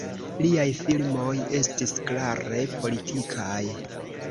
Liaj filmoj estis klare politikaj.